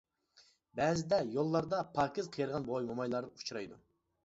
بەزىدە يوللاردا پاكىز قېرىغان بوۋاي-مومايلار ئۇچرايدۇ.